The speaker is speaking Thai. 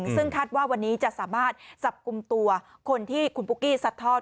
ซึ่งคาดว่าวันนี้จะสามารถจับกลุ่มตัวคนที่คุณปุ๊กกี้สัดทอด